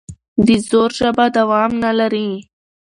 د زور ژبه دوام نه لري